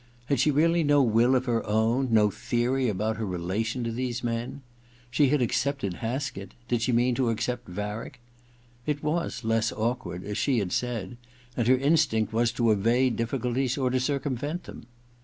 Had she really no will of her own — no theory about her relation to these men ? She had accepted Haskett — did she mean to accept Varick ? It was • less awkward/ as she had said, and her instinct was to evade difficulties or : to circumvent them.